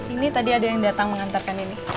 ini tadi ada yang datang mengantarkan ini